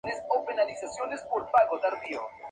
Ha jugado en los equipos Houston Texans y New England Patriots.